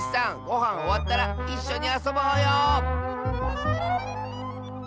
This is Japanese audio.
ごはんおわったらいっしょにあそぼうよ！